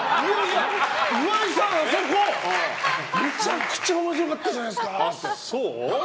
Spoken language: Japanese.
岩井さん、あそこめちゃくちゃ面白かったじゃないですか！